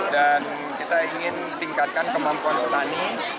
kita ingin tingkatkan kemampuan petani